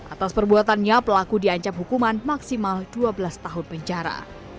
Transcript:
atas perbuatannya pelaku diancam hukuman maksimal dua belas tahun penjara